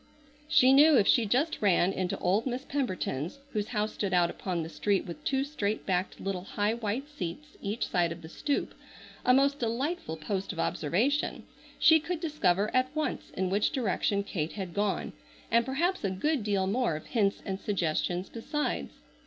She knew if she just ran into old Miss Pemberton's, whose house stood out upon the street with two straight backed little, high, white seats each side of the stoop, a most delightful post of observation, she could discover at once in which direction Kate had gone, and perhaps a good deal more of hints and suggestions besides.